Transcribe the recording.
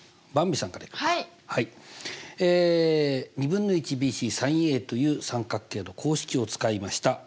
２分の１ｂｃｓｉｎＡという三角形の公式を使いました。